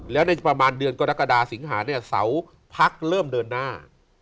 แล้วในประมาณเดือนกรกฎาสิงหาเนี่ยเสาพักเริ่มเดินหน้า